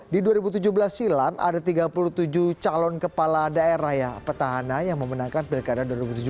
di dua ribu tujuh belas silam ada tiga puluh tujuh calon kepala daerah ya petahana yang memenangkan pilkada dua ribu tujuh belas